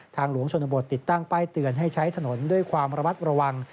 หลวงชนบทติดตั้งป้ายเตือนให้ใช้ถนนด้วยความระมัดระวัง